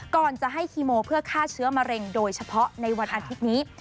ก่อนจะให้คีโมเพื่อฆ่าเชื้อมะเร็งโดยเฉพาะในวันอาทิตย์นี้